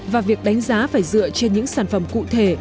và việc đánh giá phải dựa trên những sản phẩm cụ thể